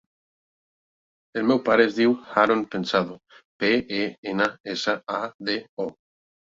El meu pare es diu Haron Pensado: pe, e, ena, essa, a, de, o.